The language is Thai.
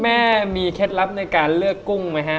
แม่มีเคล็ดลับเรื่องการเลือกกุ้งมั้ยฮะ